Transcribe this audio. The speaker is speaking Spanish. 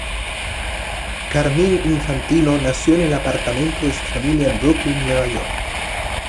Carmine Infantino nació en el apartamento de su familia en Brooklyn, Nueva York.